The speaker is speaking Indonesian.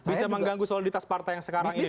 bisa mengganggu soliditas partai yang sekarang ini